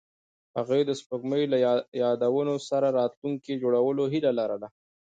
هغوی د سپوږمۍ له یادونو سره راتلونکی جوړولو هیله لرله.